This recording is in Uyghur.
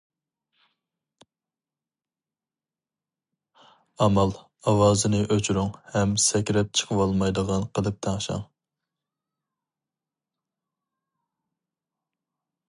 ئامال: ئاۋازىنى ئۆچۈرۈڭ، ھەم سەكرەپ چىقىۋالمايدىغان قىلىپ تەڭشەڭ.